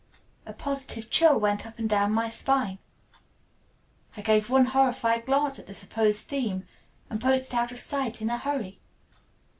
A positive chill went up and down my spine. I gave one horrified glance at the supposed theme and poked it out of sight in a hurry.